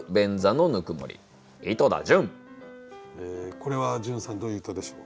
これは潤さんどういう歌でしょう？